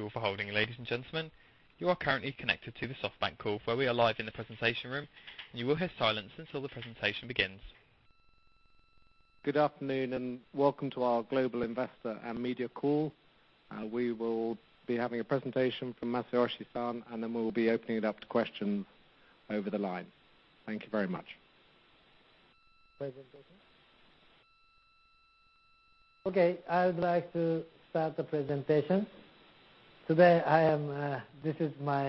Thank you all for holding, ladies and gentlemen. You are currently connected to the SoftBank call, where we are live in the presentation room. You will hear silence until the presentation begins. Good afternoon. Welcome to our global investor and media call. We will be having a presentation from Masayoshi-san, we'll be opening it up to questions over the line. Thank you very much. Presentation. I would like to start the presentation. Today, this is one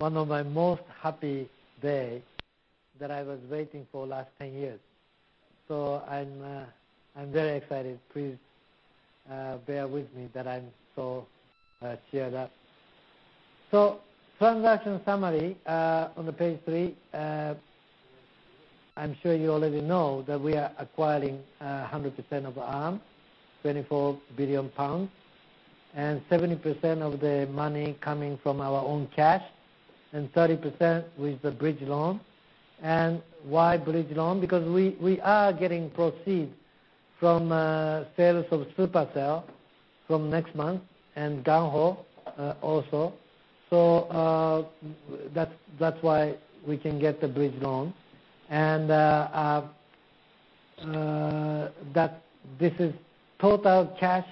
of my most happy day that I was waiting for the last 10 years. I'm very excited. Please bear with me that I'm so teared up. Transaction summary, on the page three, I'm sure you already know that we are acquiring 100% of Arm, 24 billion pounds, and 70% of the money coming from our own cash, and 30% with the bridge loan. Why bridge loan? Because we are getting proceeds from sales of Supercell from next month and GungHo also. That's why we can get the bridge loan. That this is total cash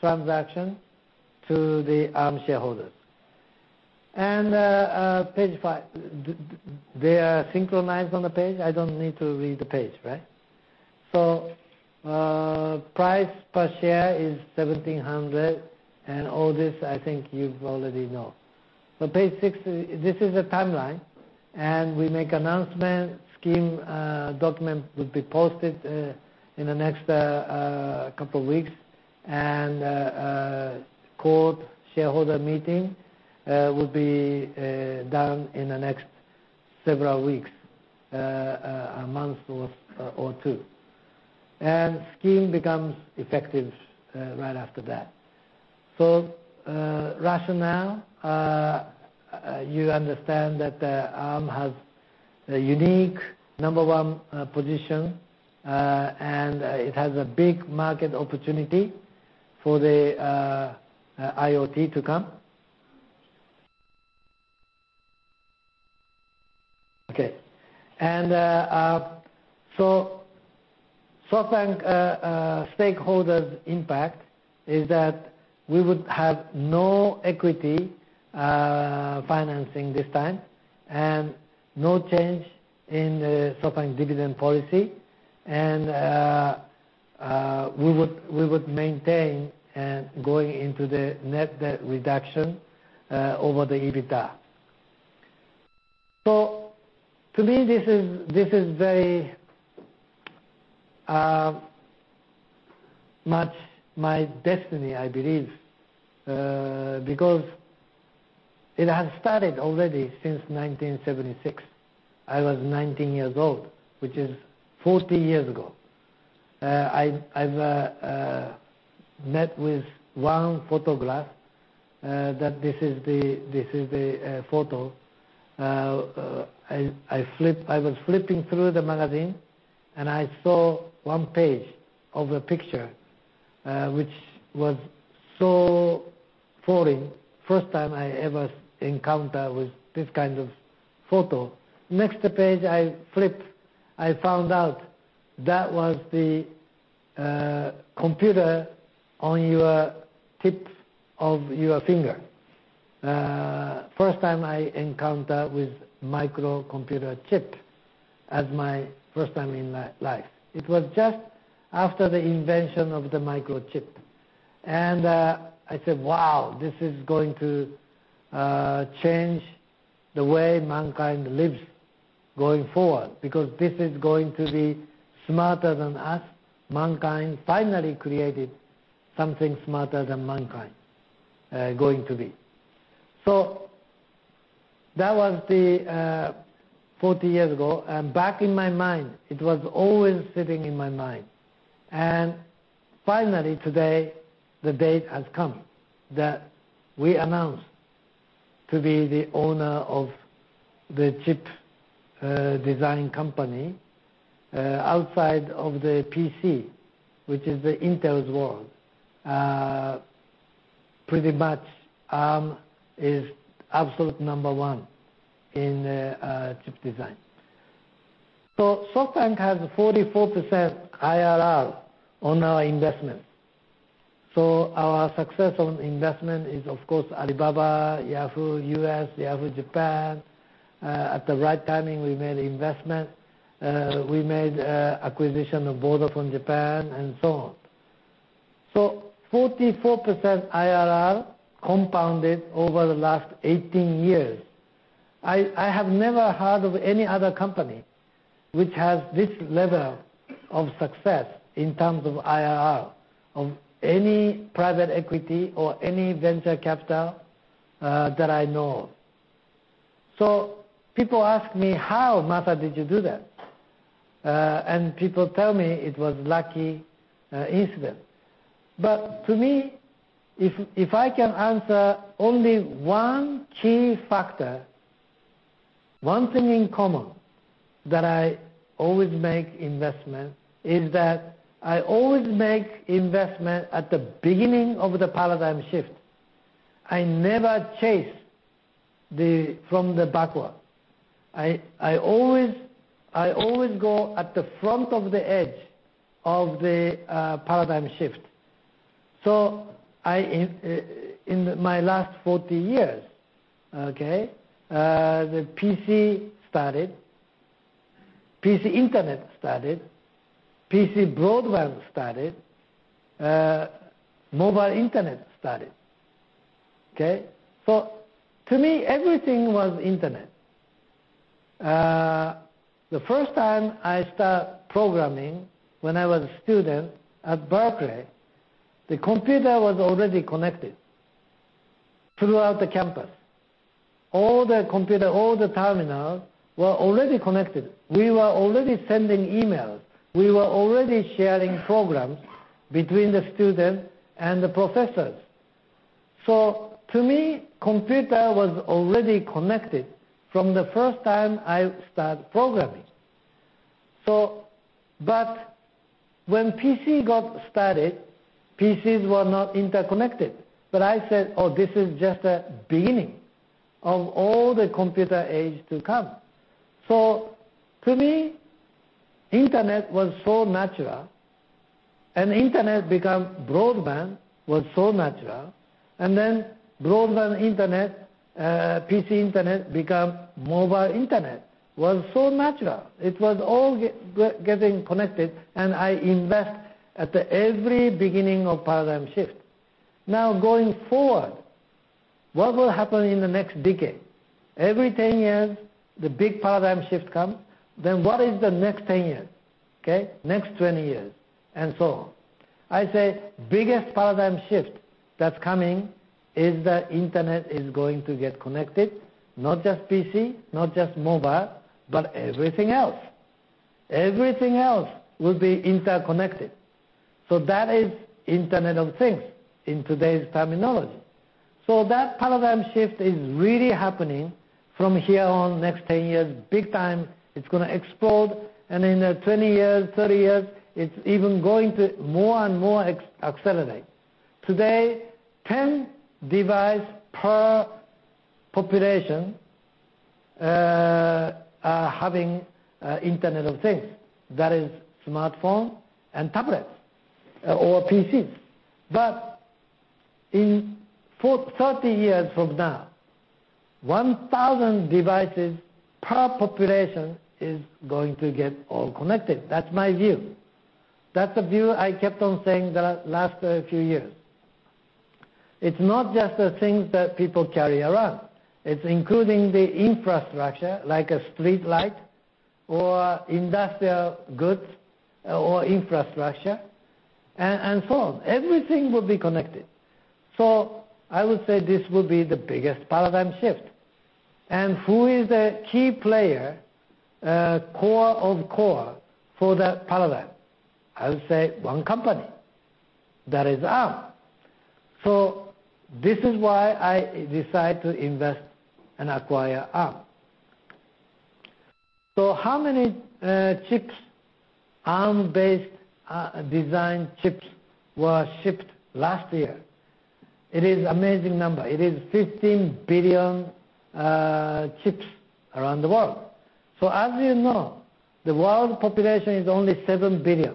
transaction to the Arm shareholders. Page five. They are synchronized on the page? I don't need to read the page, right? Price per share is 1,700 pence and all this, I think you already know. Page six, this is a timeline, and we make announcement, scheme document will be posted in the next couple weeks. Court shareholder meeting will be done in the next several weeks, a month or two. Scheme becomes effective right after that. Rationale, you understand that Arm has a unique number one position, and it has a big market opportunity for the IoT to come. SoftBank stakeholders' impact is that we would have no equity financing this time and no change in the SoftBank dividend policy. We would maintain and going into the net debt reduction over the EBITDA. To me, this is very much my destiny, I believe, because it has started already since 1976. I was 19 years old, which is 40 years ago. I've met with one photograph, that this is the photo. I was flipping through the magazine, I saw one page of a picture, which was so foreign. First time I ever encounter with this kind of photo. Next page I flipped, I found out that was the computer on your tips of your finger. First time I encounter with microcomputer chip as my first time in my life. It was just after the invention of the microchip. I said, "Wow, this is going to change the way mankind lives going forward, because this is going to be smarter than us. Mankind finally created something smarter than mankind, going to be." That was the 40 years ago, back in my mind. It was always sitting in my mind. Finally, today, the date has come that we announce to be the owner of the chip design company, outside of the PC, which is the Intel's world. Pretty much, Arm is absolute number one in chip design. SoftBank has a 44% IRR on our investment. Our success on investment is, of course, Alibaba, Yahoo Inc., Yahoo! Japan. At the right timing, we made investment. We made acquisition of Vodafone Japan, so on. 44% IRR compounded over the last 18 years. I have never heard of any other company which has this level of success in terms of IRR of any private equity or any venture capital that I know. People ask me, "How, Masa, did you do that?" People tell me it was lucky incident. To me, if I can answer only one key factor, one thing in common that I always make investment is that I always make investment at the beginning of the paradigm shift. I never chase from the backward. I always go at the front of the edge of the paradigm shift. In my last 40 years, the PC started, PC internet started, PC broadband started, mobile internet started. To me, everything was internet. The first time I start programming when I was a student at Berkeley, the computer was already connected throughout the campus. All the computer, all the terminals were already connected. We were already sending emails. We were already sharing programs between the students and the professors. To me, computer was already connected from the first time I start programming. When PC got started, PCs were not interconnected. I said, "Oh, this is just a beginning of all the computer age to come." To me, internet was so natural. Internet become broadband was so natural, broadband internet, PC internet become mobile internet was so natural. It was all getting connected, I invest at every beginning of paradigm shift. Going forward, what will happen in the next decade? Every 10 years, the big paradigm shift come, what is the next 10 years? Next 20 years and so on. I say biggest paradigm shift that's coming is that internet is going to get connected, not just PC, not just mobile, but everything else. Everything else will be interconnected. That is Internet of Things in today's terminology. That paradigm shift is really happening from here on next 10 years big time. It's going to explode, in 20 years, 30 years, it's even going to more and more accelerate. Today, 10 device per population are having Internet of Things. That is smartphone and tablets or PCs. In 30 years from now, 1,000 devices per population is going to get all connected. That's my view. That's a view I kept on saying the last few years. It's not just the things that people carry around. It's including the infrastructure like a streetlight or industrial goods or infrastructure and so on. Everything will be connected. I would say this will be the biggest paradigm shift. Who is the key player, core of core for that paradigm? I would say one company, that is Arm. This is why I decide to invest and acquire Arm. How many Arm-based design chips were shipped last year? It is amazing number. It is 15 billion chips around the world. As you know, the world population is only 7 billion.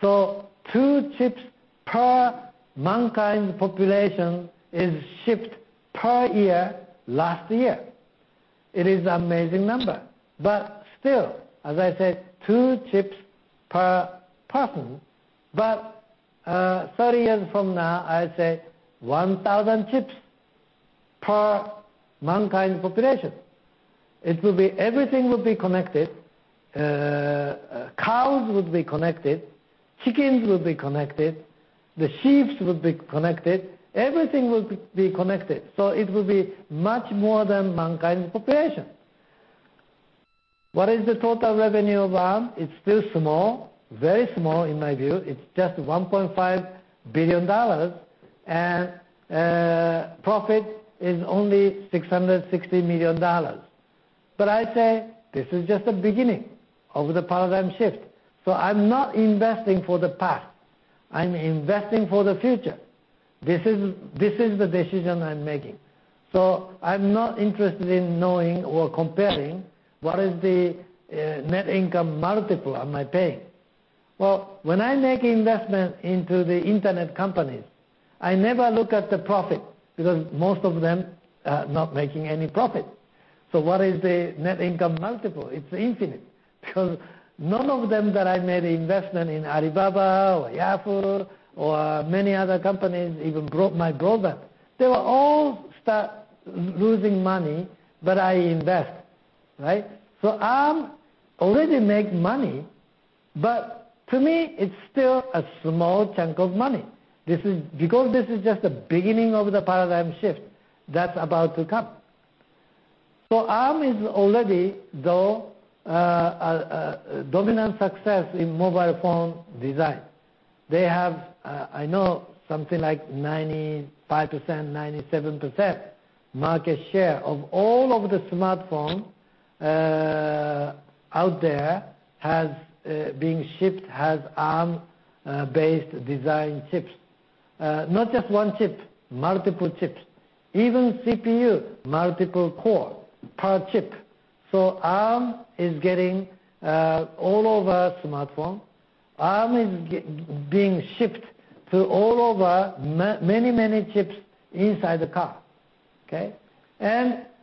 So 2 chips per mankind population is shipped per year last year. It is amazing number. Still, as I said, 2 chips per person. 30 years from now, I say 1,000 chips per mankind population. Everything will be connected. Cows would be connected, chickens will be connected, the sheeps will be connected, everything will be connected. It will be much more than mankind population. What is the total revenue of Arm? It's still small, very small in my view. It's just $1.5 billion, and profit is only $660 million. I say this is just the beginning of the paradigm shift. I'm not investing for the past. I'm investing for the future. This is the decision I'm making. I'm not interested in knowing or comparing what is the net income multiple am I paying. Well, when I make investment into the internet companies, I never look at the profit because most of them are not making any profit. What is the net income multiple? It's infinite because none of them that I made investment in Alibaba or Yahoo or many other companies, even my broadband, they were all start losing money, but I invest. Arm already make money, but to me, it's still a small chunk of money because this is just the beginning of the paradigm shift that's about to come. Arm is already, though, a dominant success in mobile phone design. They have, I know, something like 95%, 97% market share of all of the smartphone out there, being shipped, have Arm-based design chips. Not just 1 chip, multiple chips. Even CPU, multiple core per chip. Arm is getting all over smartphone. Arm is being shipped to all over many, many chips inside the car. Okay.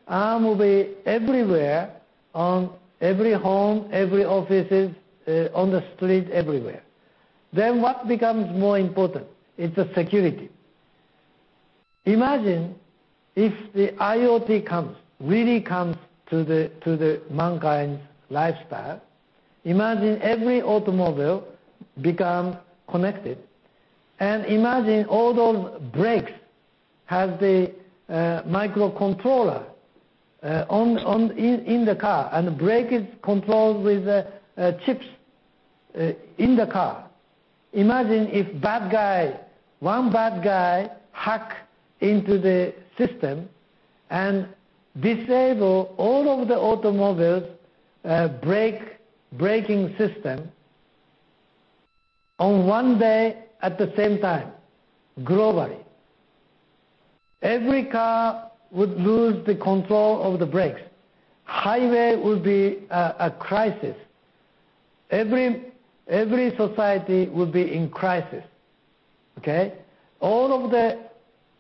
Arm will be everywhere, on every home, every offices, on the street, everywhere. What becomes more important? It's the security. Imagine if the IoT comes, really comes to the mankind's lifestyle. Imagine every automobile become connected, and imagine all those brakes have the microcontroller in the car, and the brake is controlled with chips in the car. Imagine if 1 bad guy hack into the system and disable all of the automobiles' braking system on 1 day at the same time, globally. Every car would lose the control of the brakes. Highway will be a crisis. Every society will be in crisis. Okay. All of the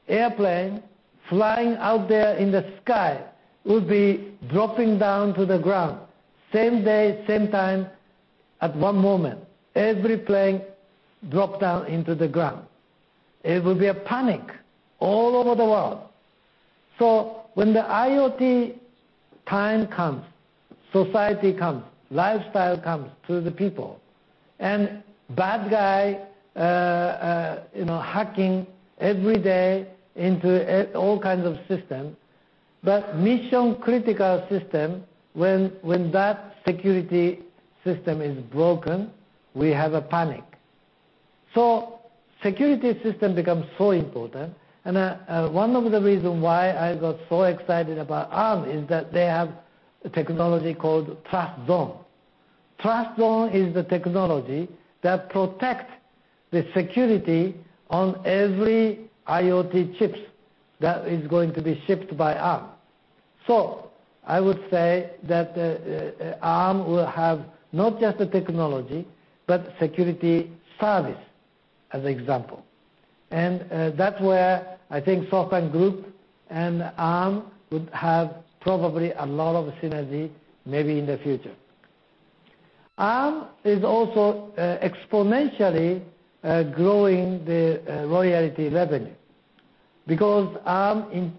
airplane flying out there in the sky will be dropping down to the ground, same day, same time at 1 moment. Every plane drop down into the ground. It will be a panic all over the world. When the IoT time comes, society comes, lifestyle comes to the people, and bad guy hacking every day into all kinds of system. Mission critical system, when that security system is broken, we have a panic. Security system becomes so important, and one of the reason why I got so excited about Arm is that they have a technology called TrustZone. TrustZone is the technology that protects the security on every IoT chips that is going to be shipped by Arm. I would say that Arm will have not just a technology, but security service as example. That's where I think SoftBank Group and Arm would have probably a lot of synergy, maybe in the future. Arm is also exponentially growing the royalty revenue because Arm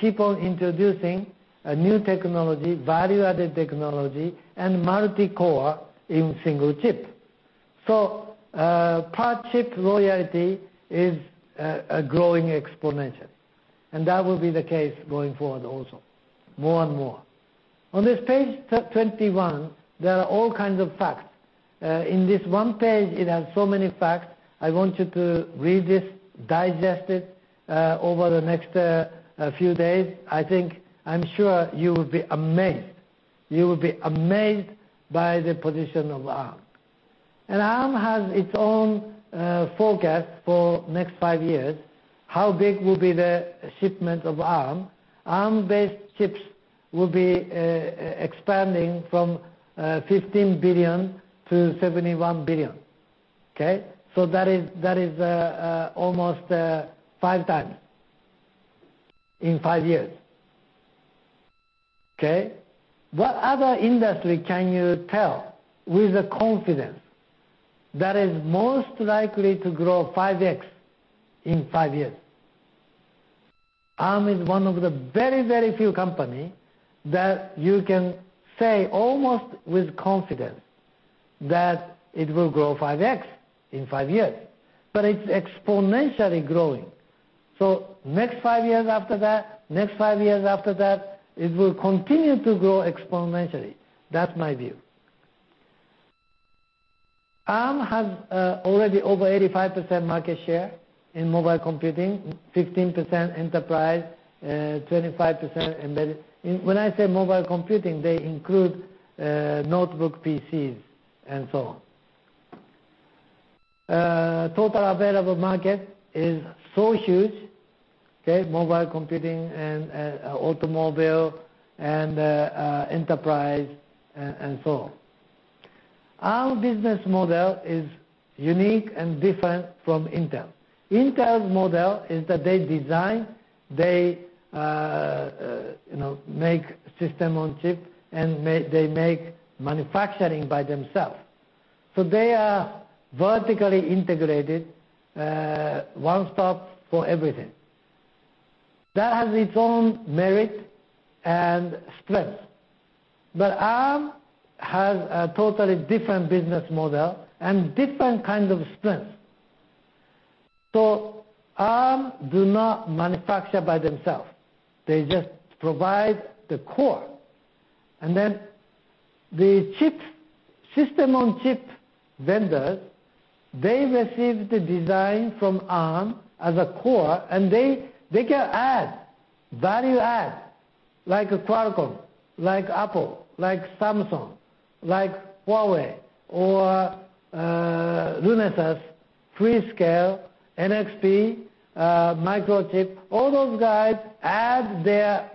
keep on introducing a new technology, value-added technology, and multi-core in single chip. Per-chip royalty is growing exponential, and that will be the case going forward also, more and more. On this page 21, there are all kinds of facts. In this one page, it has so many facts. I want you to read this, digest it, over the next few days. I'm sure you will be amazed. You will be amazed by the position of Arm. Arm has its own forecast for next five years, how big will be the shipment of Arm. Arm-based chips will be expanding from 15 billion to 71 billion. Okay? That is almost five times in five years. Okay? What other industry can you tell with confidence that is most likely to grow 5X in five years? Arm is one of the very, very few company that you can say almost with confidence that it will grow 5X in five years, but it's exponentially growing. Next five years after that, next five years after that, it will continue to grow exponentially. That's my view. Arm has already over 85% market share in mobile computing, 15% enterprise, 25% embedded. When I say mobile computing, they include notebook PCs and so on. Total available market is so huge, okay? Mobile computing and automobile and enterprise and so on. Arm business model is unique and different from Intel. Intel's model is that they design, they make system on chip, and they make manufacturing by themselves. They are vertically integrated, one-stop for everything. That has its own merit and strength. Arm has a totally different business model and different kinds of strengths. Arm does not manufacture by themselves. They just provide the core. The system on chip vendors, they receive the design from Arm as a core, and they can add value, like Qualcomm, like Apple, like Samsung, like Huawei, or Renesas, Freescale, NXP, Microchip, all those guys add their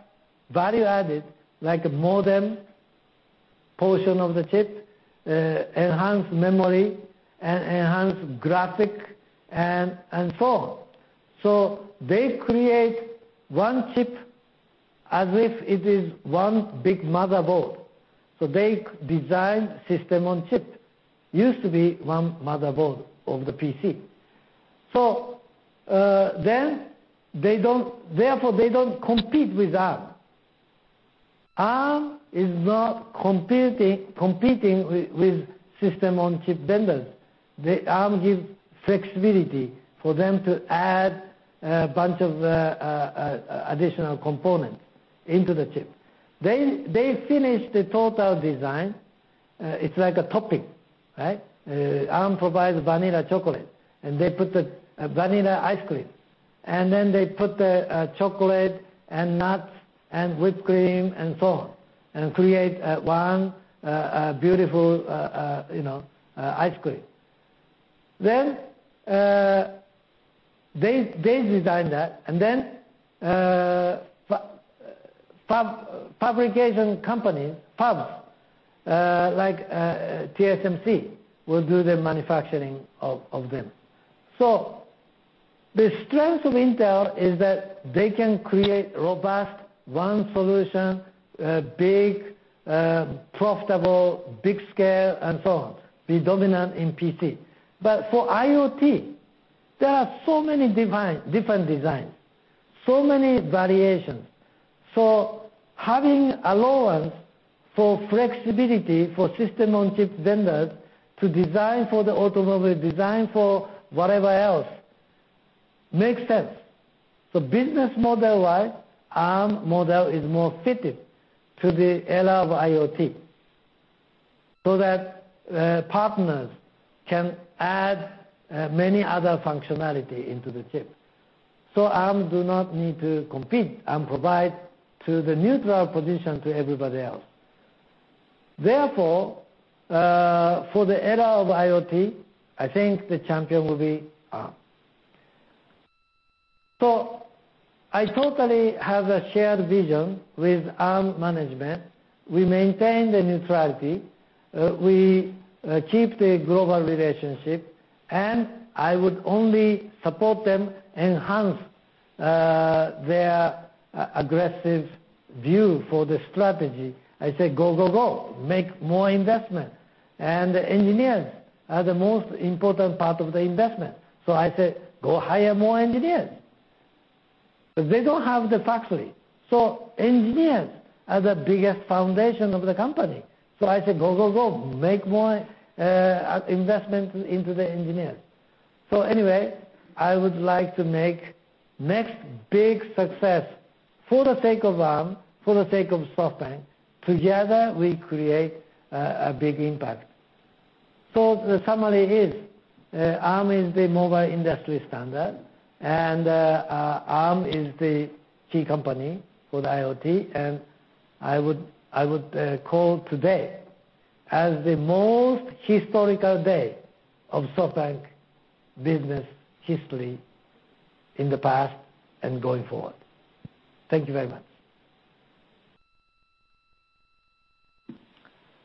value-added, like a modem portion of the chip, enhanced memory, and enhanced graphic, and so on. They create one chip as if it is one big motherboard. They design system on chip, used to be one motherboard of the PC. They don't compete with Arm. Arm is not competing with system on chip vendors. The Arm gives flexibility for them to add a bunch of additional components into the chip. They finish the total design. It's like a topping, right? Arm provides vanilla chocolate, and they put the vanilla ice cream. They put the chocolate and nuts and whipped cream and so on, and create one beautiful ice cream. They design that, and then fabrication companies, fabs, like TSMC, will do the manufacturing of them. The strength of Intel is that they can create robust, one solution, big, profitable, big scale, and so on, be dominant in PC. For IoT, there are so many different designs, so many variations. Having allowance for flexibility for System on Chip vendors to design for the automobile, design for whatever else, makes sense. Business model-wise, Arm model is more fitted to the era of IoT, that partners can add many other functionality into the chip. Arm does not need to compete and provide to the neutral position to everybody else. For the era of IoT, I think the champion will be Arm. I totally have a shared vision with Arm management. We maintain the neutrality. We keep the global relationship, I would only support them enhance their aggressive view for the strategy. I say, "Go, go. Make more investment." Engineers are the most important part of the investment. I say, "Go hire more engineers." They don't have the factory. Engineers are the biggest foundation of the company. I say, "Go, go. Make more investment into the engineers." Anyway, I would like to make next big success for the sake of Arm, for the sake of SoftBank. Together, we create a big impact. The summary is, Arm is the mobile industry standard, Arm is the key company for the IoT, I would call today as the most historical day of SoftBank business history in the past and going forward. Thank you very much.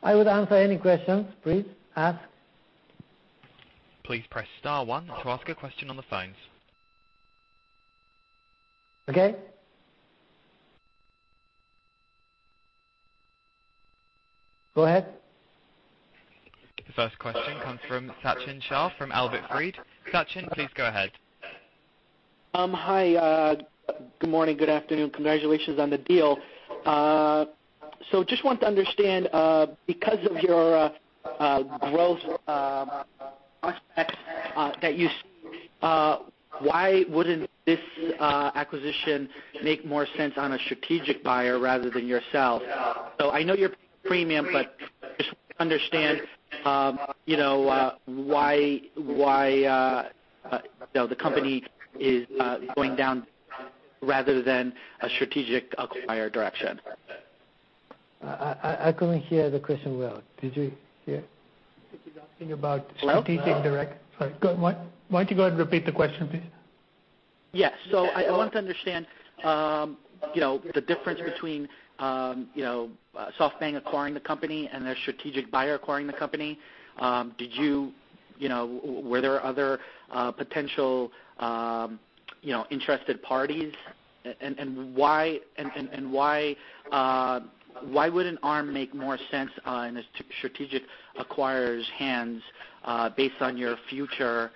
I would answer any questions. Please ask. Please press star one to ask a question on the phones. Okay. Go ahead. The first question comes from Sachin Shah from Albert Fried. Sachin, please go ahead. Hi. Good morning, good afternoon. Congratulations on the deal. Just want to understand, because of your growth that you see, why wouldn't this acquisition make more sense on a strategic buyer rather than yourself? I know you're premium, but just want to understand why the company is going down rather than a strategic acquirer direction. I couldn't hear the question well. Did you hear? I think he's asking about strategic. Hello? Sorry. Why don't you go ahead and repeat the question, please? Yes. I want to understand the difference between SoftBank acquiring the company and a strategic buyer acquiring the company. Were there other potential interested parties? Why wouldn't Arm make more sense in a strategic acquirer's hands, based on your future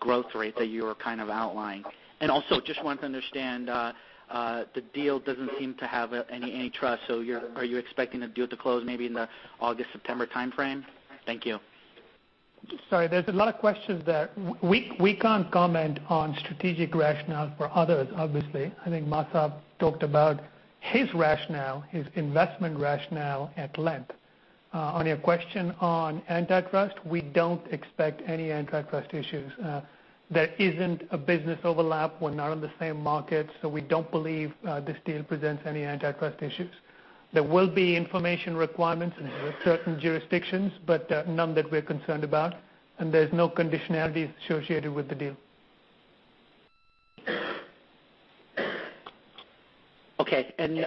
growth rate that you were outlining? Also, just wanted to understand, the deal doesn't seem to have any antitrust. Are you expecting the deal to close maybe in the August, September timeframe? Thank you. Sorry, there's a lot of questions there. We can't comment on strategic rationales for others, obviously. I think Masay talked about his rationale, his investment rationale at length. On your question on antitrust, we don't expect any antitrust issues. There isn't a business overlap. We're not on the same market. We don't believe this deal presents any antitrust issues. There will be information requirements in certain jurisdictions, but none that we're concerned about. There's no conditionality associated with the deal. Okay. In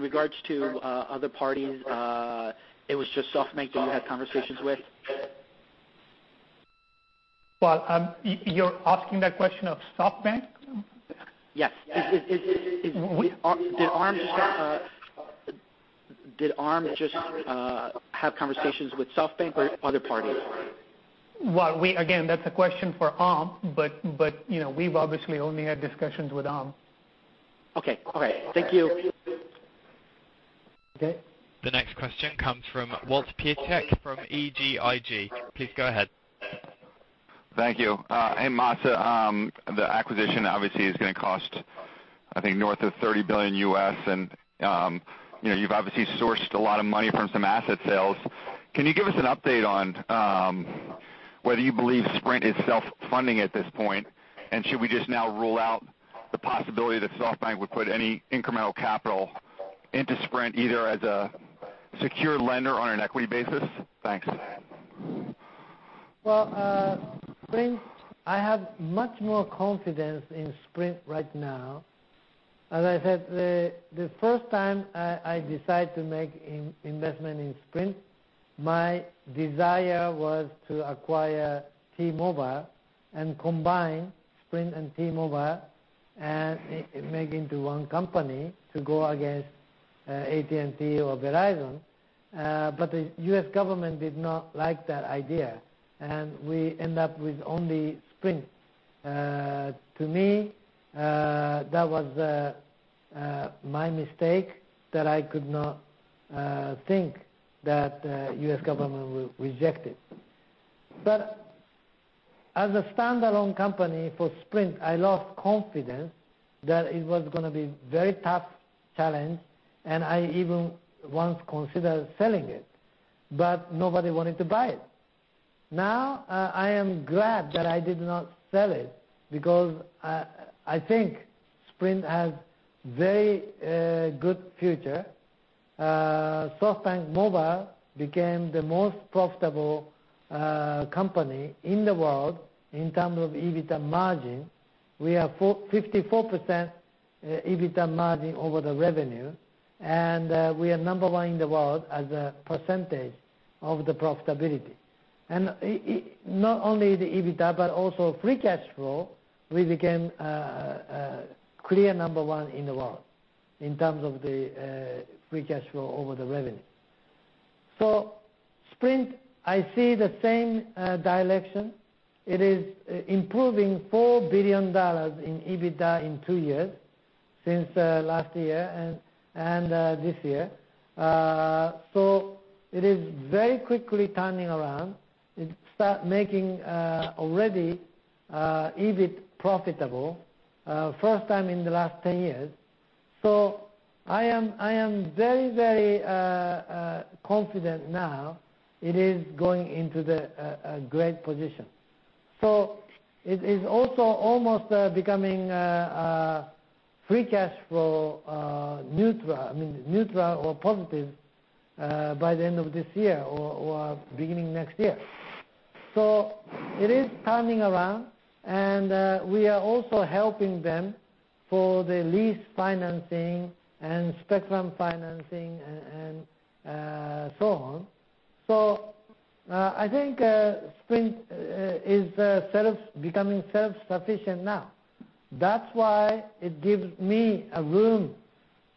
regards to other parties, it was just SoftBank that you had conversations with? Well, you're asking that question of SoftBank? Yes. Did Arm just have conversations with SoftBank or other parties? Well, again, that's a question for Arm, but we've obviously only had discussions with Arm. Okay. All right. Thank you. Okay. The next question comes from Walt Piecyk from BTIG. Please go ahead. Thank you. Hey, Masa. The acquisition obviously is going to cost, I think, north of $30 billion, and you've obviously sourced a lot of money from some asset sales. Should we just now rule out the possibility that SoftBank would put any incremental capital into Sprint, either as a secure lender on an equity basis? Thanks. Well, Sprint, I have much more confidence in Sprint right now. As I said, the 1st time I decide to make investment in Sprint, my desire was to acquire T-Mobile and combine Sprint and T-Mobile and make into one company to go against AT&T or Verizon. The U.S. government did not like that idea, and we end up with only Sprint. To me, that was my mistake that I could not think that U.S. government would reject it. As a standalone company for Sprint, I lost confidence that it was going to be very tough challenge, and I even once considered selling it. Nobody wanted to buy it. Now, I am glad that I did not sell it because I think Sprint has very good future. SoftBank Mobile became the most profitable company in the world in term of EBITDA margin. We have 54% EBITDA margin over the revenue, and we are number one in the world as a percentage of the profitability. Not only the EBITDA, but also free cash flow, we became clear number one in the world in terms of the free cash flow over the revenue. Sprint, I see the same direction. It is improving $4 billion in EBITDA in 2 years since last year and this year. It is very quickly turning around. It start making already EBIT profitable, first time in the last 10 years. I am very confident now it is going into the great position. It is also almost becoming free cash flow neutral or positive by the end of this year or beginning next year. It is turning around, and we are also helping them for the lease financing and spectrum financing and so on. I think Sprint is becoming self-sufficient now. That's why it gives me a room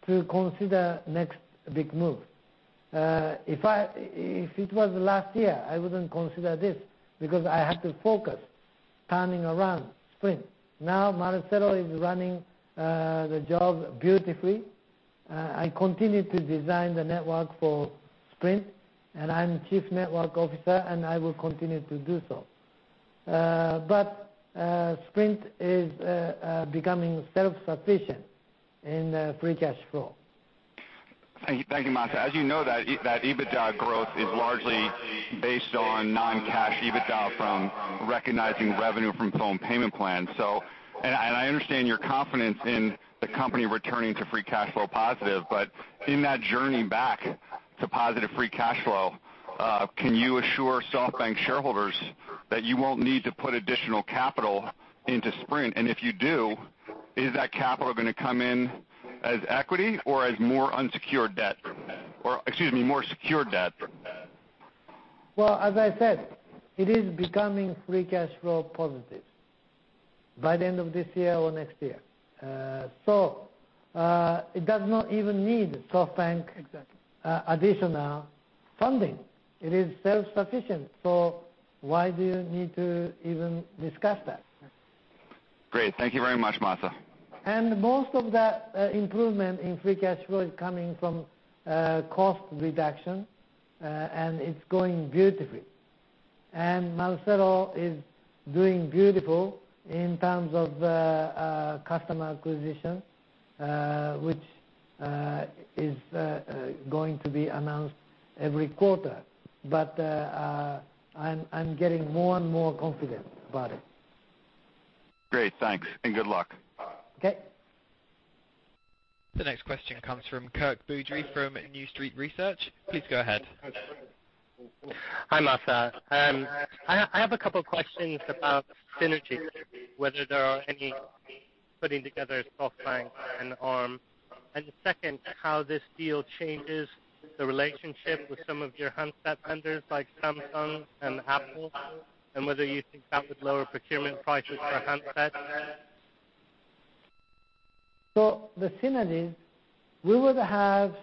to consider next big move. If it was last year, I wouldn't consider this because I had to focus turning around Sprint. Now Marcelo is running the job beautifully. I continue to design the network for Sprint, and I'm Chief Network Officer, and I will continue to do so. Sprint is becoming self-sufficient in free cash flow. Thank you, Masa. As you know, that EBITDA growth is largely based on non-cash EBITDA from recognizing revenue from phone payment plans. I understand your confidence in the company returning to free cash flow positive, but in that journey back to positive free cash flow, can you assure SoftBank shareholders that you won't need to put additional capital into Sprint? If you do, is that capital going to come in as equity or as more unsecured debt? Excuse me, more secured debt? Well, as I said, it is becoming free cash flow positive by the end of this year or next year. It does not even need SoftBank- Exactly additional funding. It is self-sufficient, why do you need to even discuss that? Great. Thank you very much, Masa. Most of the improvement in free cash flow is coming from cost reduction, and it's going beautifully. Marcelo is doing beautiful in terms of customer acquisition, which is going to be announced every quarter. I'm getting more and more confident about it. Great. Thanks, and good luck. Okay. The next question comes from Kirk Boodry from New Street Research. Please go ahead. Hi, Masa. I have a couple questions about synergies, whether there are any putting together SoftBank and Arm. Second, how this deal changes the relationship with some of your handset vendors like Samsung and Apple, and whether you think that would lower procurement prices for handsets. The synergies, we would have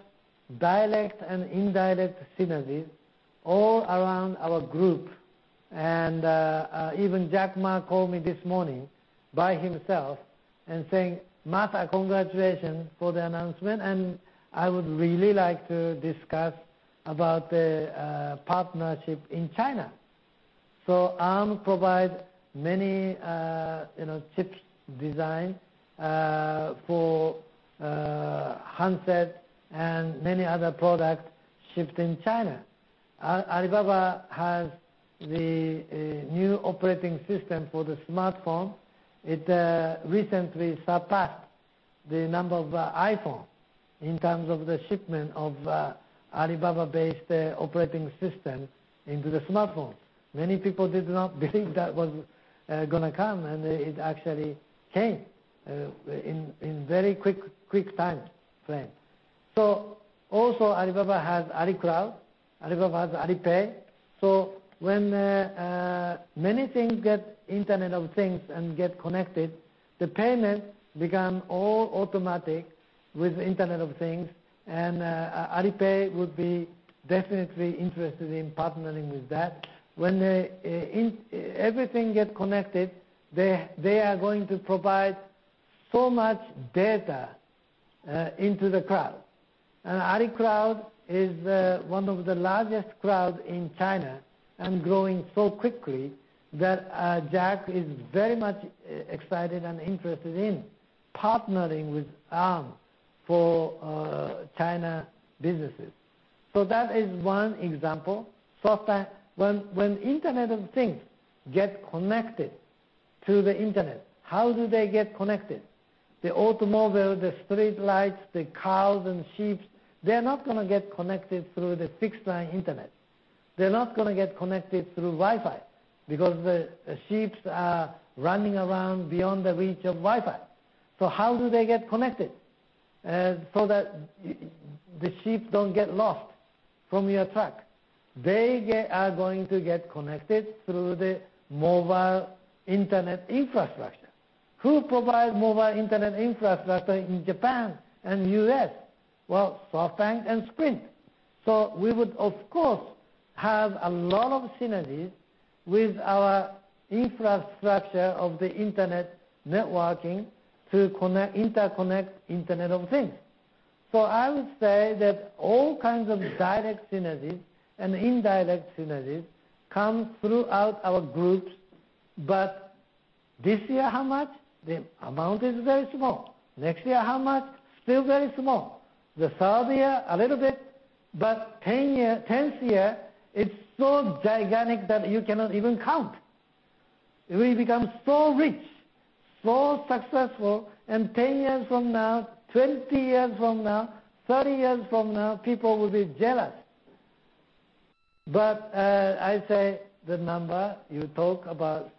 direct and indirect synergies all around our group. Even Jack Ma called me this morning by himself and saying, "Masa, congratulations for the announcement, and I would really like to discuss about the partnership in China." Arm provides many chip design for handsets and many other products shipped in China. Alibaba has the new operating system for the smartphone. It recently surpassed the number of iPhone in terms of the shipment of Alibaba-based operating system into the smartphones. Many people did not believe that was going to come, and it actually came in very quick time frame. Also Alibaba has AliCloud. Alibaba has Alipay. When many things get Internet of Things and get connected, the payment become all automatic with Internet of Things, and Alipay would be definitely interested in partnering with that. When everything gets connected, they are going to provide so much data into the cloud. AliCloud is one of the largest clouds in China and growing so quickly that Jack is very much excited and interested in partnering with Arm for China businesses. That is one example. SoftBank, when Internet of Things get connected to the internet, how do they get connected? The automobile, the streetlights, the cows and sheeps, they're not going to get connected through the fixed line internet. They're not going to get connected through Wi-Fi because the sheeps are running around beyond the reach of Wi-Fi. How do they get connected so that the sheep don't get lost from your truck? They are going to get connected through the mobile internet infrastructure. Who provide mobile internet infrastructure in Japan and U.S.? Well, SoftBank and Sprint. We would, of course, have a lot of synergies with our infrastructure of the Internet networking to interconnect Internet of Things. I would say that all kinds of direct synergies and indirect synergies come throughout our groups, but this year, how much? The amount is very small. Next year, how much? Still very small. The third year, a little bit, but 10th year, it's so gigantic that you cannot even count. We become so rich, so successful, and 10 years from now, 20 years from now, 30 years from now, people will be jealous. I say the number, you talk about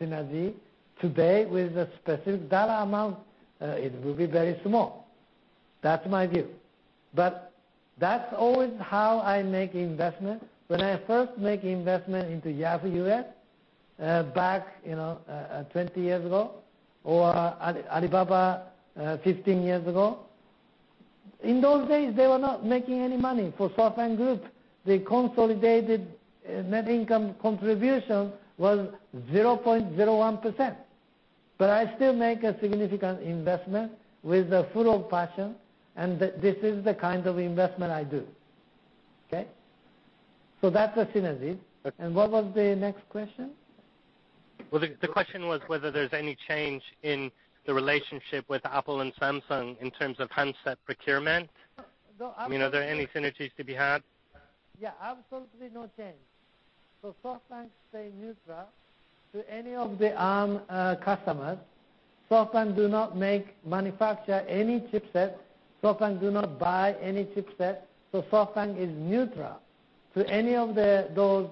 synergy today with the specific dollar amount, it will be very small. That's my view, but that's always how I make investment. When I first make investment into Yahoo U.S. back 20 years ago or Alibaba 15 years ago, in those days, they were not making any money for SoftBank Group. The consolidated net income contribution was 0.01%, but I still make a significant investment with a full of passion, and this is the kind of investment I do. Okay? That's the synergy. What was the next question? The question was whether there's any change in the relationship with Apple and Samsung in terms of handset procurement. No, absolutely. I mean, are there any synergies to be had? Yeah, absolutely no change. SoftBank stay neutral to any of the Arm customers. SoftBank do not manufacture any chipset. SoftBank do not buy any chipset. SoftBank is neutral to any of those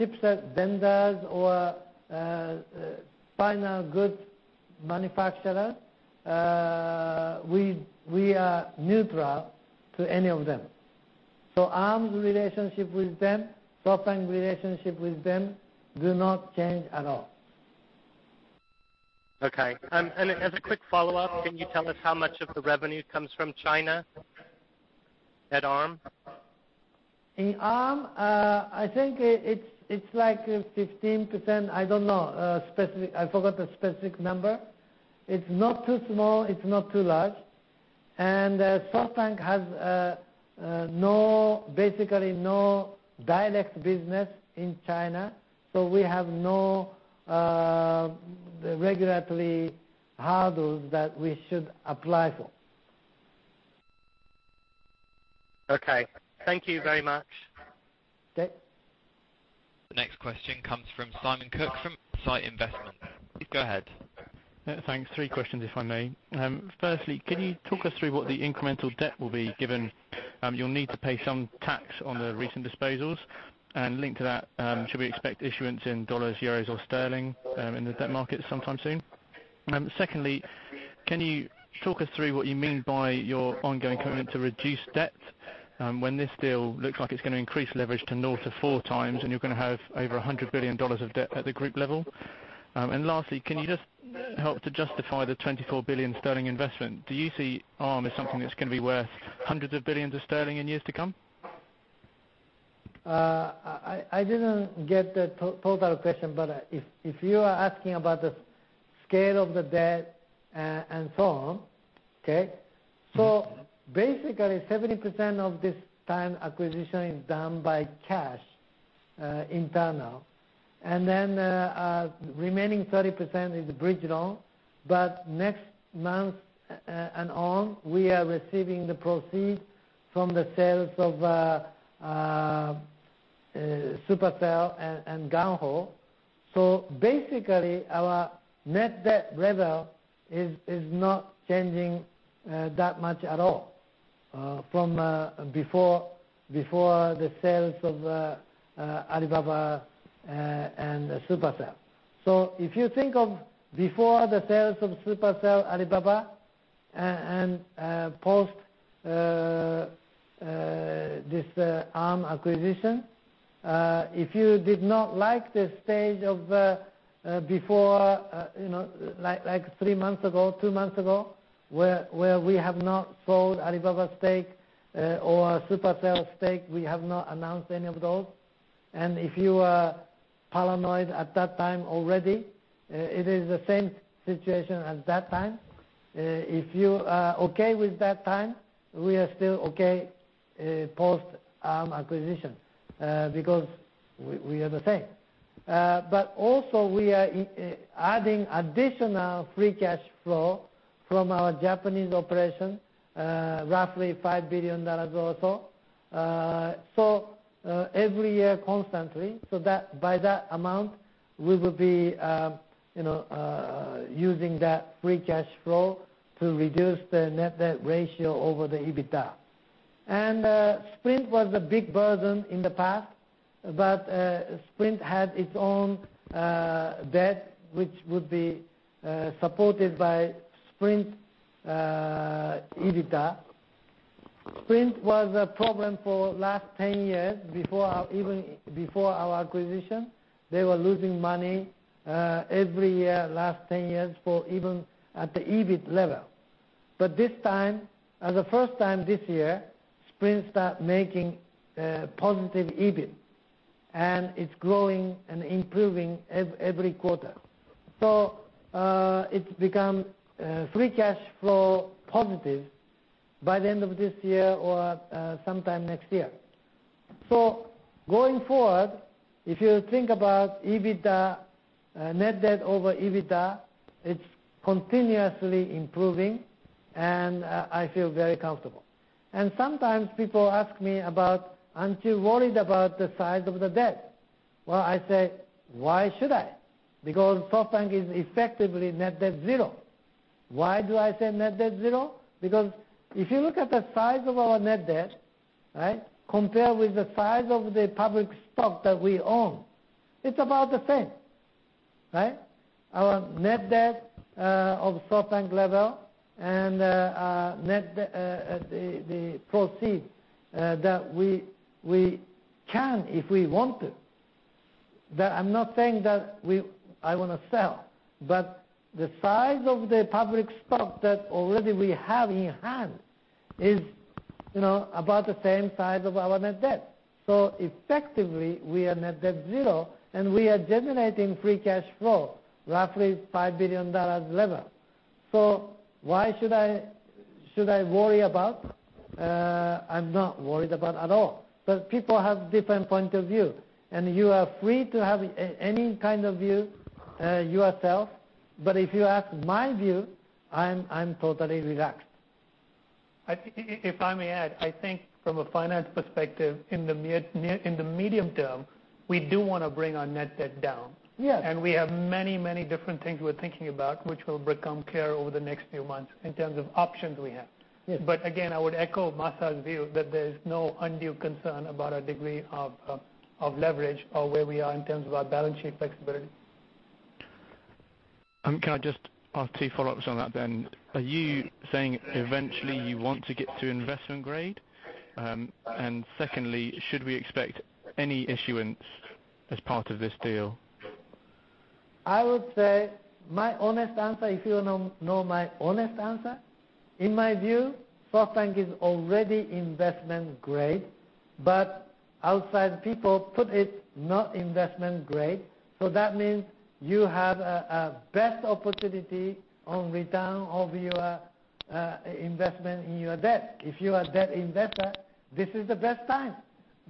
chipset vendors or final good manufacturer. We are neutral to any of them. Arm's relationship with them, SoftBank relationship with them do not change at all. Okay. As a quick follow-up, can you tell us how much of the revenue comes from China? At Arm? In Arm, I think it's like 15%. I don't know, I forgot the specific number. It's not too small, it's not too large. SoftBank has basically no direct business in China, we have no regulatory hurdles that we should apply for. Okay. Thank you very much. Okay. The next question comes from Simon Cooke from Insight Investment. Please go ahead. Thanks. Three questions, if I may. Firstly, can you talk us through what the incremental debt will be, given you'll need to pay some tax on the recent disposals? Linked to that, should we expect issuance in dollars, euros or sterling in the debt market sometime soon? Secondly, can you talk us through what you mean by your ongoing commitment to reduce debt, when this deal looks like it's going to increase leverage to north of four times, and you're going to have over GBP 100 billion of debt at the group level? Lastly, can you just help to justify the 24 billion sterling investment? Do you see Arm as something that's going to be worth hundreds of billions of GBP in years to come? I didn't get the total question, but if you are asking about the scale of the debt and so on, okay? Yes. Basically, 70% of this time acquisition is done by cash, internal, and then remaining 30% is a bridge loan. Next month and on, we are receiving the proceeds from the sales of Supercell and GungHo. Basically, our net debt level is not changing that much at all from before the sales of Alibaba and Supercell. If you think of before the sales of Supercell, Alibaba, and post this Arm acquisition, if you did not like the stage of before, like three months ago, two months ago, where we have not sold Alibaba's stake or Supercell's stake, we have not announced any of those, and if you are paranoid at that time already, it is the same situation at that time. If you are okay with that time, we are still okay post-Arm acquisition, because we are the same. Also, we are adding additional free cash flow from our Japanese operation, roughly $5 billion or so, every year constantly. By that amount, we will be using that free cash flow to reduce the net debt ratio over the EBITDA. Sprint was a big burden in the past, but Sprint had its own debt, which would be supported by Sprint EBITDA. Sprint was a problem for last 10 years, even before our acquisition. They were losing money every year, last 10 years, for even at the EBIT level. This time, as a first time this year, Sprint start making a positive EBIT, and it's growing and improving every quarter. It's become free cash flow positive by the end of this year or sometime next year. Going forward, if you think about net debt over EBITDA, it's continuously improving, and I feel very comfortable. Sometimes people ask me about, "Aren't you worried about the size of the debt?" Well, I say, "Why should I?" Because SoftBank is effectively net debt zero. Why do I say net debt zero? Because if you look at the size of our net debt, compared with the size of the public stock that we own, it's about the same, right? Our net debt of SoftBank level and the proceed that we can, if we want to. I'm not saying that I want to sell, but the size of the public stock that already we have in hand is about the same size of our net debt. Effectively, we are net debt zero, and we are generating free cash flow, roughly $5 billion level. Why should I worry about? I'm not worried about at all. People have different point of view, and you are free to have any kind of view yourself. If you ask my view, I'm totally relaxed. If I may add, I think from a finance perspective, in the medium term, we do want to bring our net debt down. Yes. We have many different things we're thinking about, which will become clear over the next few months, in terms of options we have. Yes. Again, I would echo Masa's view, that there is no undue concern about our degree of leverage or where we are in terms of our balance sheet flexibility. Can I just ask two follow-ups on that? Are you saying eventually you want to get to investment grade? Secondly, should we expect any issuance as part of this deal? I would say, my honest answer, if you want to know my honest answer, in my view, SoftBank is already investment grade, outside people put it not investment grade. That means you have a best opportunity on return of your investment in your debt. If you are a debt investor, this is the best time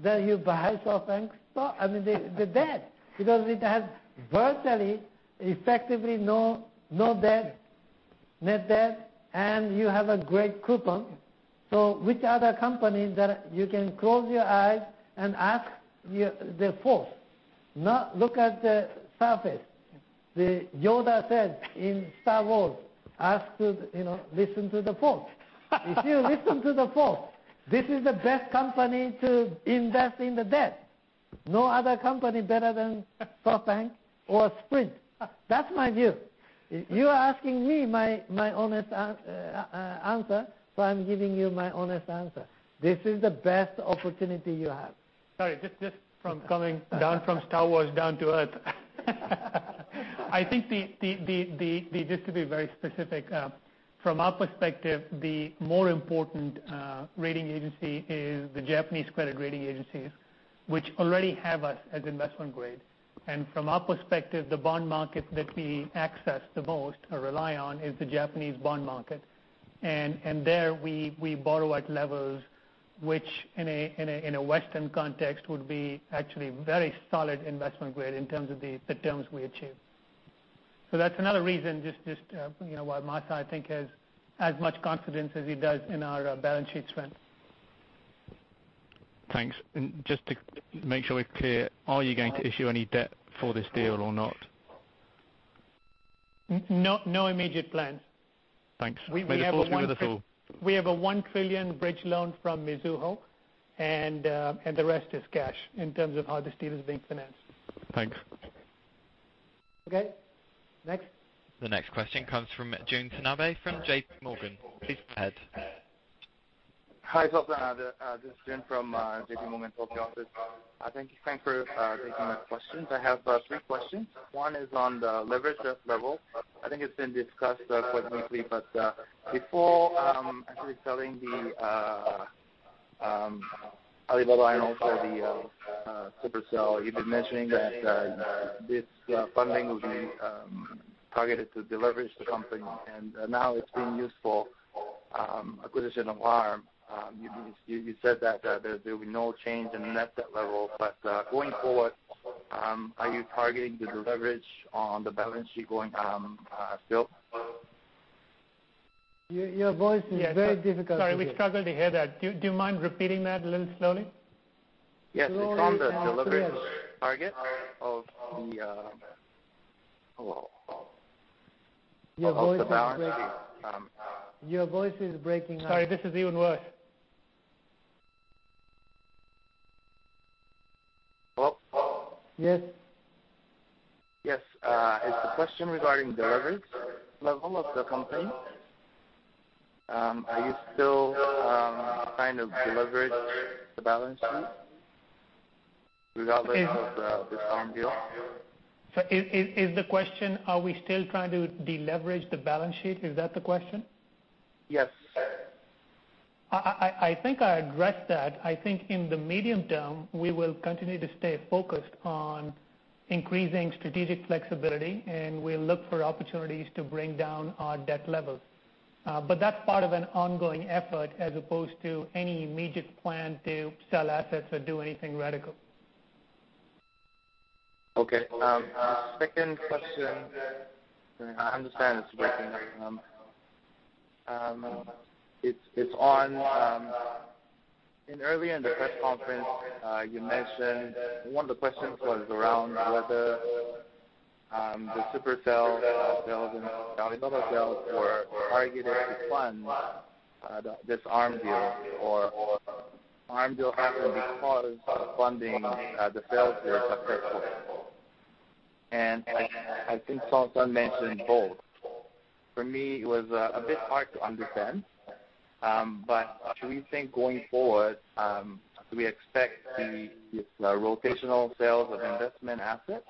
that you buy the debt. Because it has virtually effectively no net debt, and you have a great coupon. Which other company that you can close your eyes and ask the force, not look at the surface. Yoda said in "Star Wars," "Listen to the force." If you listen to the force, this is the best company to invest in the debt. No other company better than SoftBank or Sprint. That's my view. You are asking me my honest answer, I'm giving you my honest answer. This is the best opportunity you have. Sorry, just coming down from "Star Wars" down to Earth. Just to be very specific, from our perspective, the more important rating agency is the Japanese credit rating agencies, which already have us as investment grade. From our perspective, the bond market that we access the most or rely on is the Japanese bond market. There, we borrow at levels which, in a Western context, would be actually very solid investment grade in terms of the terms we achieve. That's another reason just why Masa, I think, has as much confidence as he does in our balance sheet strength. Thanks. Just to make sure we're clear, are you going to issue any debt for this deal or not? No immediate plans. Thanks. We have a 1 trillion- Really forward to hear the full- We have a 1 trillion bridge loan from Mizuho, the rest is cash in terms of how this deal is being financed. Thanks. Okay. Next. The next question comes from Jun Tanabe from JPMorgan. Please go ahead. Hi, SoftBank. This is Jun from JP Morgan Tokyo office. Thank you. Thanks for taking my questions. I have three questions. One is on the leverage debt level. I think it's been discussed quite briefly, but before actually selling the Alibaba and also the Supercell, you've been mentioning that this funding will be targeted to deleverage the company, now it's being used for acquisition of Arm. You said that there will be no change in the net debt level. Going forward, are you targeting the deleverage on the balance sheet going still? Your voice is very difficult to hear. Sorry, we struggled to hear that. Do you mind repeating that a little slowly? Yes. It's on the- Slower deleverage target of the-- Hello. Your voice is breaking. Of the balance sheet. Your voice is breaking up. Sorry, this is even worse. Hello? Yes. Yes. It's a question regarding leverage level of the company. Are you still trying to deleverage the balance sheet regardless of this Arm deal? Is the question, are we still trying to deleverage the balance sheet? Is that the question? Yes. I think I addressed that. I think in the medium term, we will continue to stay focused on increasing strategic flexibility, and we'll look for opportunities to bring down our debt levels. That's part of an ongoing effort as opposed to any immediate plan to sell assets or do anything radical. Okay. Second question. I understand it's breaking up. In earlier in the press conference, you mentioned one of the questions was around whether the Supercell sale and Alibaba sale were targeted to fund this Arm deal, or Arm deal happened because of funding the sales that occurred first. I think SoftBank mentioned both. For me, it was a bit hard to understand. Should we think going forward, do we expect these rotational sales of investment assets?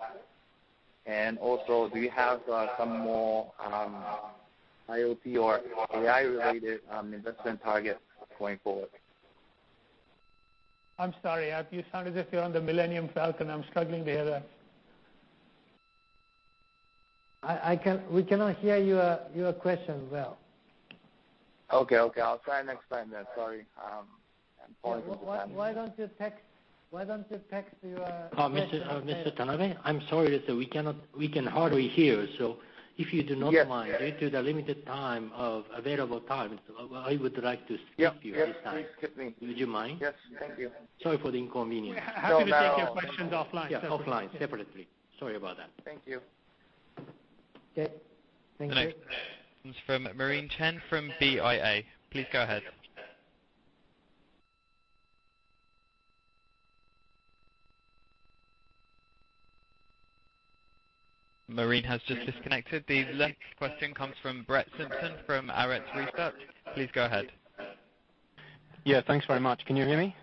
Also, do you have some more IoT or AI-related investment targets going forward? I'm sorry. You sound as if you're on the Millennium Falcon. I'm struggling to hear that. We cannot hear your question well. Okay. I'll try next time then. Sorry. I'm sorry for the timing. Why don't you text your question? Mr. Tanabe, I'm sorry. We can hardly hear. If you do not mind. Yes Due to the limited time of available time, I would like to skip you this time. Yeah. Please skip me. Would you mind? Yes. Thank you. Sorry for the inconvenience. Happy to take your questions offline separately. Yeah, offline separately. Sorry about that. Thank you. Okay. Thank you. The next comes from Maureen Chen from BIA. Please go ahead. Maureen has just disconnected. The next question comes from Brett Simpson from Arete Research. Please go ahead. Yeah, thanks very much. Can you hear me?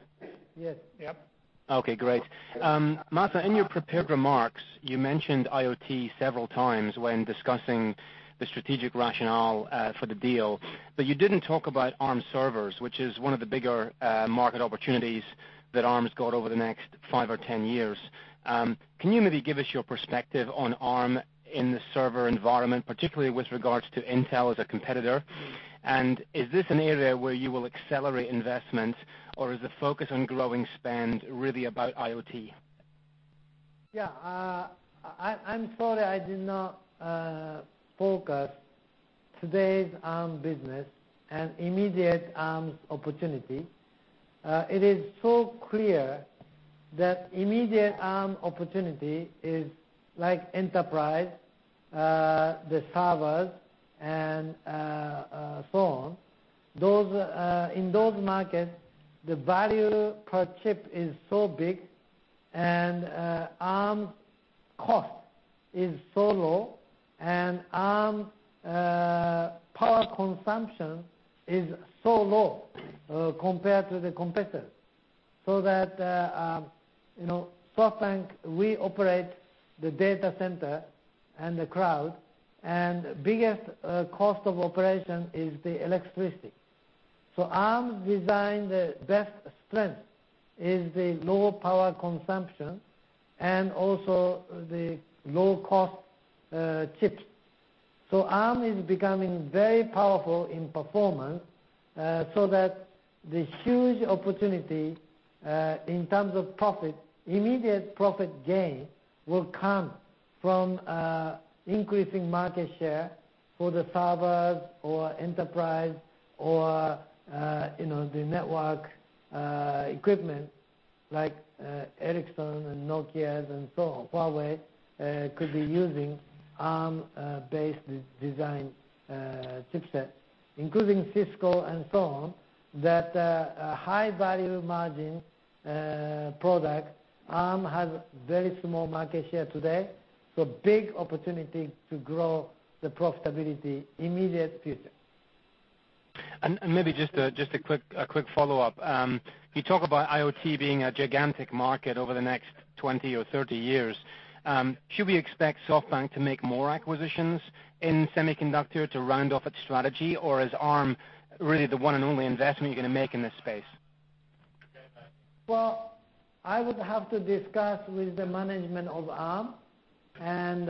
Yes. Yep. Okay, great. Masay, in your prepared remarks, you mentioned IoT several times when discussing the strategic rationale for the deal, but you didn't talk about Arm servers, which is one of the bigger market opportunities that Arm's got over the next five or 10 years. Can you maybe give us your perspective on Arm in the server environment, particularly with regards to Intel as a competitor? Is this an area where you will accelerate investment, or is the focus on growing spend really about IoT? Yeah. I'm sorry I did not focus today's Arm business and immediate Arm's opportunity. It is so clear that immediate Arm opportunity is like enterprise, the servers and so on. In those markets, the value per chip is so big, and Arm cost is so low, and Arm power consumption is so low compared to the competitors, so that SoftBank, we operate the data center and the cloud, and biggest cost of operation is the electricity. Arm's design, the best strength is the low power consumption and also the low-cost chips. Arm is becoming very powerful in performance, so that the huge opportunity, in terms of profit, immediate profit gain, will come from increasing market share for the servers or enterprise or the network, equipment like Ericsson and Nokia and so on, Huawei, could be using Arm-based design chipset, including Cisco and so on, that a high value margin product. Arm has very small market share today, so big opportunity to grow the profitability, immediate future. Maybe just a quick follow-up. You talk about IoT being a gigantic market over the next 20 or 30 years. Should we expect SoftBank to make more acquisitions in semiconductor to round off its strategy, or is Arm really the one and only investment you're going to make in this space? Well, I would have to discuss with the management of Arm, and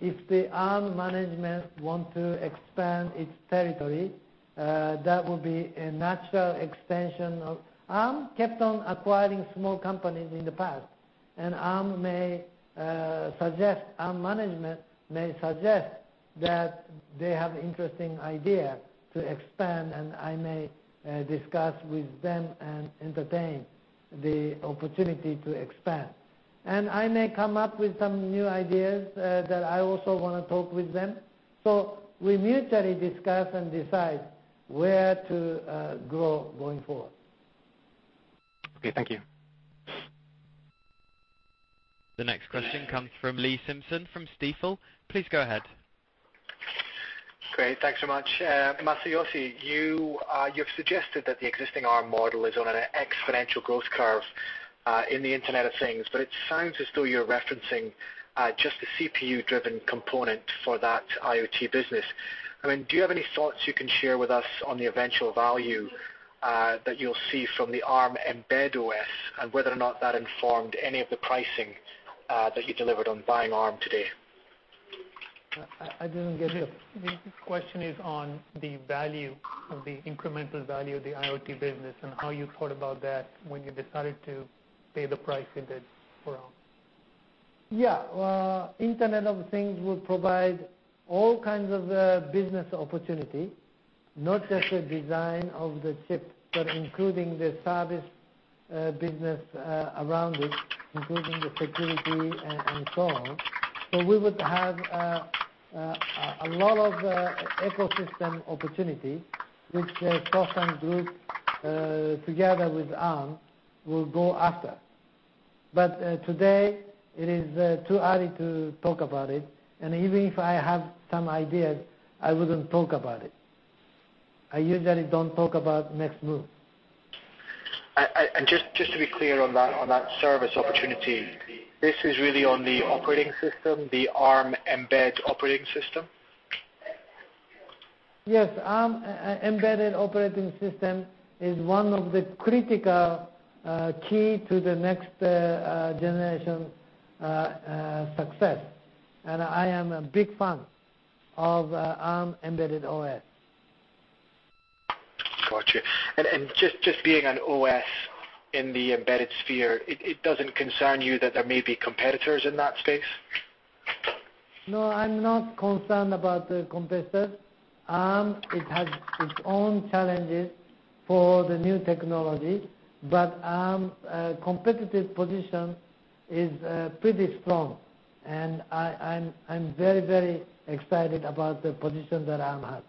if the Arm management want to expand its territory, that would be a natural extension of Arm kept on acquiring small companies in the past. Arm management may suggest that they have interesting idea to expand, and I may discuss with them and entertain the opportunity to expand. I may come up with some new ideas that I also want to talk with them. We mutually discuss and decide where to grow going forward. Okay, thank you. The next question comes from Lee Simpson from Stifel. Please go ahead. Great. Thanks so much. Masayoshi, you've suggested that the existing Arm model is on an exponential growth curve, in the Internet of Things, but it sounds as though you're referencing just the CPU-driven component for that IoT business. Do you have any thoughts you can share with us on the eventual value that you'll see from the Arm Mbed OS, and whether or not that informed any of the pricing that you delivered on buying Arm today? I didn't get it. The question is on the value of the incremental value of the IoT business and how you thought about that when you decided to pay the price you did for Arm. Yeah. Internet of Things will provide all kinds of business opportunity, not just the design of the chip, but including the service business around it, including the security and so on. We would have a lot of ecosystem opportunity, which the SoftBank Group, together with Arm, will go after. Today, it is too early to talk about it, and even if I have some ideas, I wouldn't talk about it. I usually don't talk about next move. Just to be clear on that service opportunity, this is really on the operating system, the Arm Mbed operating system? Yes. Arm Mbed OS is one of the critical key to the next generation success, and I am a big fan of Arm Mbed OS. Got you. Just being an OS in the embedded sphere, it doesn't concern you that there may be competitors in that space? No, I'm not concerned about the competitors. Arm, it has its own challenges for the new technology, but Arm competitive position is pretty strong, and I'm very excited about the position that Arm has.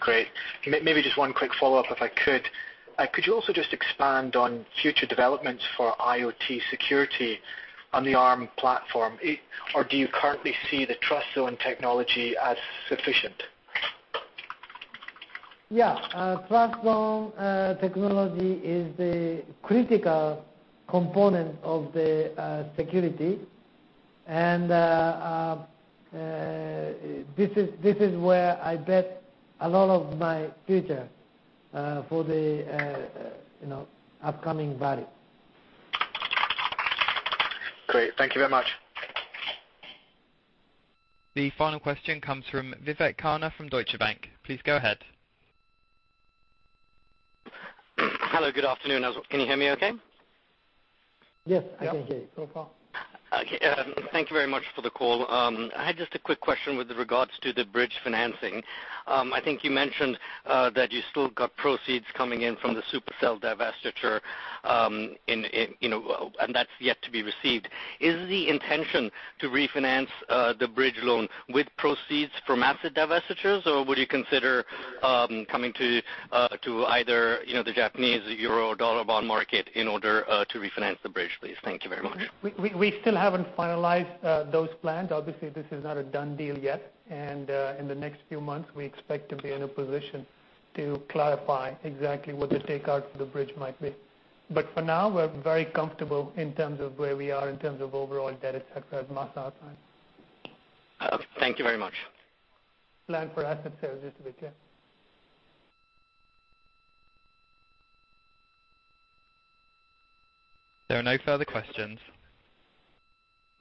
Great. Maybe just one quick follow-up, if I could Could you also just expand on future developments for IoT security on the Arm platform? Do you currently see the TrustZone technology as sufficient? Yeah. TrustZone technology is the critical component of the security. This is where I bet a lot of my future for the upcoming value. Great. Thank you very much. The final question comes from Vivek Khanna from Deutsche Bank. Please go ahead. Hello, good afternoon. Can you hear me okay? Yes, I can hear you so far. Okay. Thank you very much for the call. I had just a quick question with regards to the bridge financing. I think you mentioned that you still got proceeds coming in from the Supercell divestiture, and that is yet to be received. Is the intention to refinance the bridge loan with proceeds from asset divestitures, or would you consider coming to either the Japanese euro dollar bond market in order to refinance the bridge, please? Thank you very much. We still haven't finalized those plans. Obviously, this is not a done deal yet, and in the next few months, we expect to be in a position to clarify exactly what the takeout for the bridge might be. For now, we are very comfortable in terms of where we are in terms of overall debt et cetera [inaudible] Okay. Thank you very much. Plan for asset sales is to be clear. There are no further questions.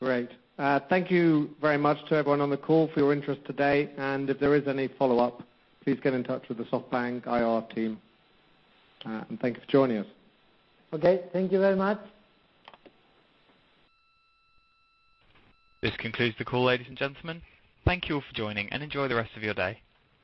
Great. Thank you very much to everyone on the call for your interest today. If there is any follow-up, please get in touch with the SoftBank IR team. Thank you for joining us. Okay. Thank you very much. This concludes the call, ladies and gentlemen. Thank you all for joining, and enjoy the rest of your day.